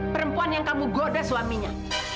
perempuan yang kamu goda suaminya